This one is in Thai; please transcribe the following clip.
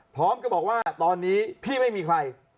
พร้อมกับบอกว่าตอนนี้พี่ไม่มีใคร